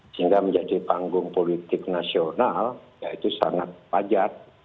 sehingga menjadi panggung politik nasional ya itu sangat pajak